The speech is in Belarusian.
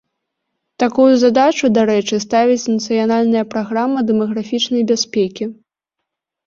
Такую задачу, дарэчы, ставіць нацыянальная праграма дэмаграфічнай бяспекі.